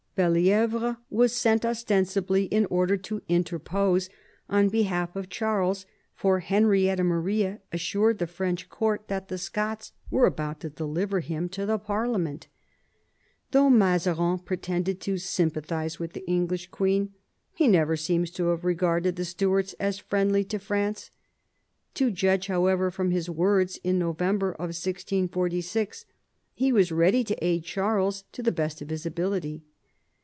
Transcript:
Belli^vre was sent ostensibly in order to interpose on behalf of Charles, for Henrietta Maria assured the French court that the Scots were about to deliver him to the parlia ment. Though Mazarin pretended to sympathise with the English queen, he never seems to have regarded the Stuarts as friendly to France. To judge, however, from his words in November 1646, he was ready to aid Charles to the best of his ability.